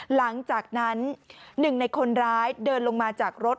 หลังจากนั้นหนึ่งในคนร้ายเดินลงมาจากรถ